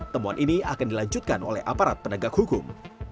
temuan ini akan dilanjutkan oleh aparat penegak hukum